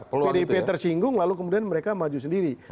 pdip tersinggung lalu kemudian mereka maju sendiri